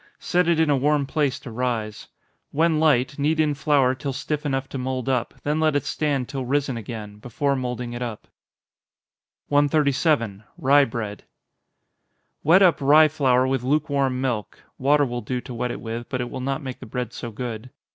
Set it in a warm place to rise. When light, knead in flour till stiff enough to mould up, then let it stand till risen again, before moulding it up. 137. Rye Bread. Wet up rye flour with lukewarm milk, (water will do to wet it with, but it will not make the bread so good.)